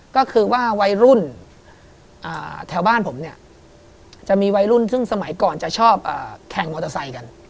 ก็คือว่าวัยรุ่นแถวบ้านผมเนี่ยจะมีวัยรุ่นซึ่งสมัยก่อนจะชอบแข่งมอเตอร์ไซค์กัน